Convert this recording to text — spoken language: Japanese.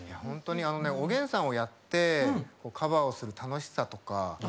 おげんさんをやってカバーをする楽しさとか。